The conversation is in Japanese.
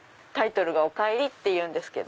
タイトルが『おかえり』っていうんです。